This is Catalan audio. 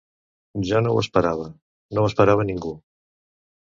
Jo no ho esperava, no ho esperava ningú.